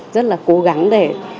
rất là cố gắng để